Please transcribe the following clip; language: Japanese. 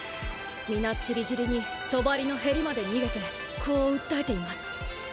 みんな散り散りに帳のへりまで逃げてこう訴えています。